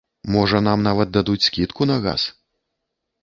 Можа, нам нават дадуць скідку на газ!